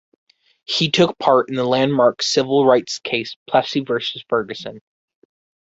He took part in the landmark civil rights case, Plessy versus Ferguson.